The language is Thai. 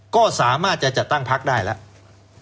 ก็สามารถจะจัดตั้งพักได้แล้ว